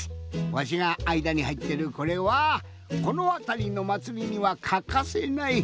わしがあいだにはいってるこれはこのあたりのまつりにはかかせない